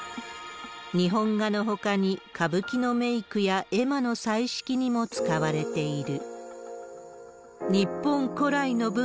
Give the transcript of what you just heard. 日本画のほかに、歌舞伎のメークや絵馬の彩色にも使われている。